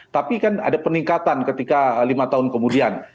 tapi kan ada peningkatan ketika lima tahun kemudian